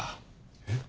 えっ？